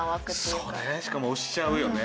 しかも推しちゃうよね。